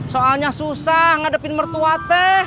soalnya susah ngadepin mertua teh